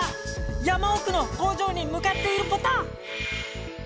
山おくの工場にむかっているポタ。